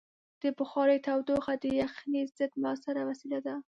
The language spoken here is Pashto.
د بخارۍ تودوخه د یخنۍ ضد مؤثره وسیله ده.